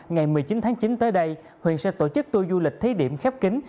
ngày một mươi chín tháng chín tới đây huyện sẽ tổ chức tour du lịch thí điểm khép kính